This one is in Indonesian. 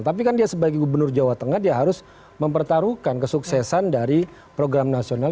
tapi kan dia sebagai gubernur jawa tengah dia harus mempertaruhkan kesuksesan dari program nasional